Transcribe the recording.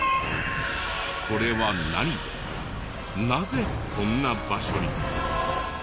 これは何でなぜこんな場所に？